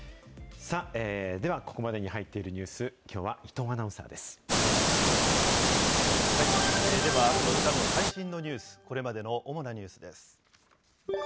ではここまでに入っているニュース、きょうは伊藤アナウンでは、この時間の最新のニュース、これまでの主なニュースです。